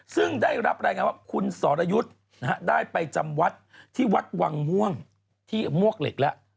ซึ่งได้รับรายงานว่าคุณสรยุทธ์ได้ไปจำวัดที่วัดวังม่วงที่มวกเหล็กแล้ว